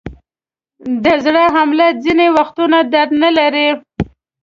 د زړه حمله ځینې وختونه درد نلري.